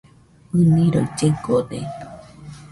ɨniroi llegode.